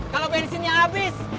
kalau bensinnya abis